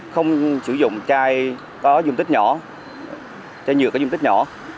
không sử dụng chai có dung tích nhỏ chai nhựa có dung tích nhỏ